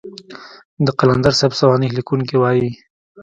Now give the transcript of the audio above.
د قلندر صاحب سوانح ليکونکي وايي.